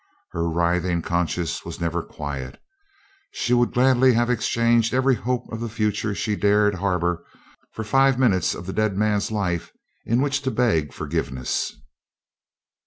Her writhing conscience was never quiet. She would gladly have exchanged every hope of the future she dared harbor for five minutes of the dead man's life in which to beg forgiveness.